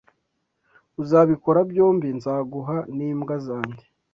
uzabikora byombi nzaguha n’imbwa zanjye